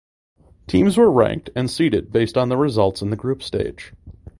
Teams were ranked and seeded based on their results in the group stage.